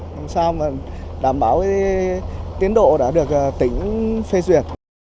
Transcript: để đảm bảo tiến độ đã được tính phê duyệt